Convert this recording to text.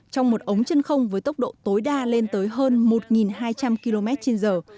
trong một ống chân không với tốc độ tối đa lên tới hơn một hai trăm linh km trên giờ